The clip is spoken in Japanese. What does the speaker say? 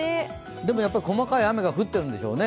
でもやっぱり細かい雨が降ってるんでしょうね。